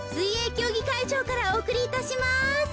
きょうぎかいじょうからおおくりいたします。